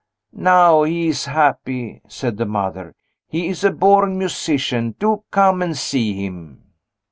"Now he is happy!" said the mother. "He is a born musician; do come and see him!"